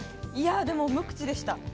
でも無口でした。